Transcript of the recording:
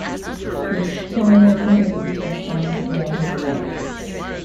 His Shia sympathies are found throughout his works.